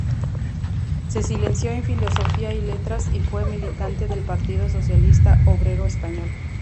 Se licenció en filosofía y Letras y fue militante del Partido Socialista Obrero Español.